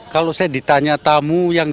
kalau saya ditanya tamu yang